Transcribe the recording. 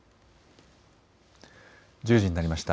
１０時になりました。